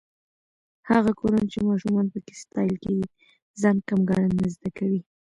هغه کورونه چې ماشومان پکې ستايل کېږي، ځان کم ګڼل نه زده کوي.